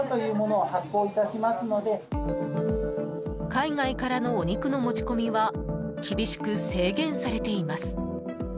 海外からのお肉の持ち込みは厳しく制限されています。